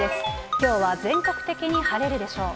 きょうは全国的に晴れるでしょう。